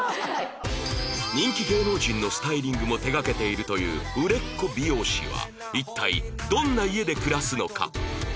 人気芸能人のスタイリングも手掛けているという売れっ子美容師は一体どんな家で暮らすのか？